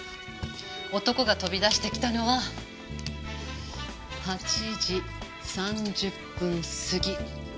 男が飛び出してきたのは８時３０分過ぎ。